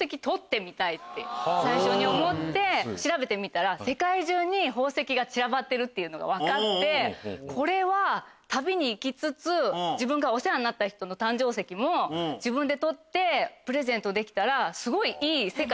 最初に思って調べてみたら世界中に宝石がちらばってるのが分かってこれは旅に行きつつ自分がお世話になった人の誕生石も自分で採ってプレゼントできたら。